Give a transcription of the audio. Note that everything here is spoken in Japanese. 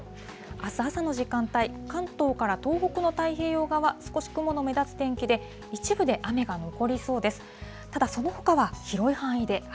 あす朝の時間帯、関東から東北の太平洋側、少し雲の目立つ天気で、一部で雨が残りそうです。